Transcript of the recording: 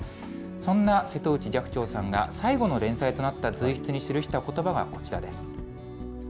そんな瀬戸内寂聴さんが最後の連載となった随筆に記したことばがこちらです。